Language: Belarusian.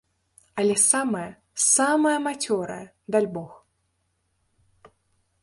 Але самая, самая мацёрая, дальбог.